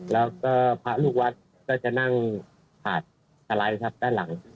แล้วก็พระลูกวัดก็จะนั่งขาดสไลด์ครับด้านหลัง